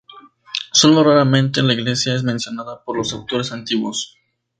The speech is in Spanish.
Sólo raramente la isla es mencionada por los autores antiguos.